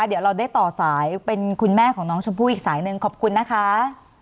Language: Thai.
เดี๋ยวเราได้ต่อสายเป็นคุณแม่ของน้องชมพู่อีกสายหนึ่งขอบคุณนะคะ